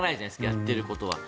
やってることは。